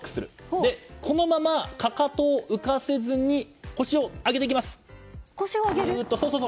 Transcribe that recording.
それで、このままかかとを浮かせずに腰を上げていきます。